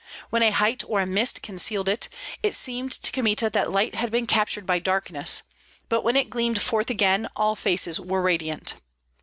When a height or a mist concealed it, it seemed to Kmita that light had been captured by darkness; but when it gleamed forth again all faces were radiant.